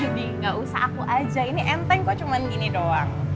nggak usah aku aja ini enteng kok cuma gini doang